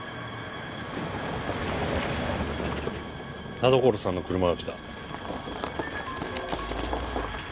田所さんの車がきた。